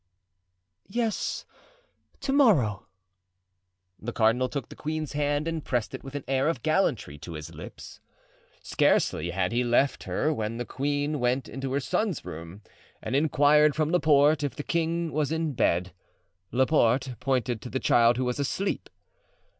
"Yes, to morrow." The cardinal took the queen's hand and pressed it with an air of gallantry to his lips. Scarcely had he left her when the queen went into her son's room, and inquired from Laporte if the king was in bed. Laporte pointed to the child, who was asleep.